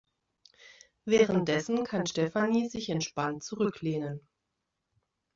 Währenddessen kann Stefanie sich entspannt zurücklehnen.